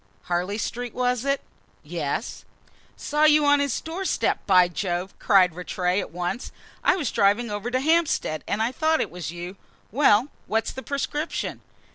"Harley Street, was it?" "Yes." "Saw you on his doorstep, by Jove!" cried Rattray at once. "I was driving over to Hampstead, and I thought it was you. Well, what's the prescription?"